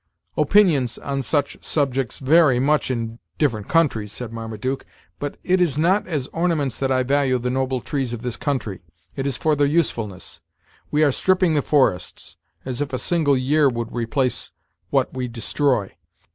"Opinions on such subjects vary much in different countries," said Marmaduke; "but it is not as ornaments that I value the noble trees of this country; it is for their usefulness We are stripping the forests, as if a single year would replace what we destroy.